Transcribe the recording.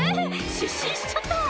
失神しちゃった